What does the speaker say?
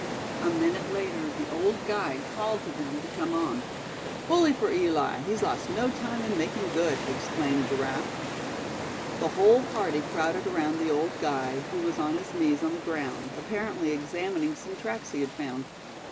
A minute later the old guide called to them to come on. "Bully for Eli; he's lost no time in making good!" exclaimed Giraffe. The whole party crowded around the old guide, who was on his knees on the ground, apparently examining some tracks he had found.